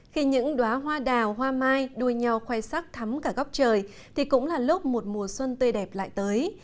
khi những đoá hoa đào hoa mai đuôi nhau khoe sắc thắm cả góc trời thì cũng là lúc một mùa xuân tươi đẹp lại tới